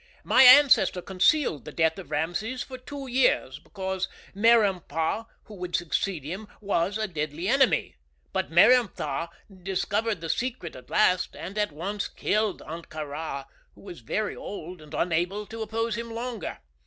"My ancestor concealed the death of Rameses for two years, because Meremptah, who would succeed him, was a deadly enemy. But Meremptah discovered the secret at last, and at once killed Ahtka Rā, who was very old and unable to oppose him longer.